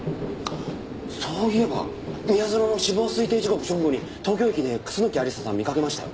そういえば宮園の死亡推定時刻直後に東京駅で楠木亜理紗さん見かけましたよ。